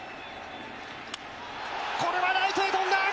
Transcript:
これはライトへ飛んだ。